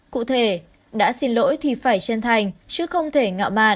cụ thể đã xin lỗi thì phải chân thành chứ không thể ngạo mà